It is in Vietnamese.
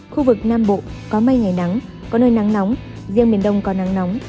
khu vực nam bộ có mây ngày nắng có nơi nắng nóng riêng miền đông có nắng nóng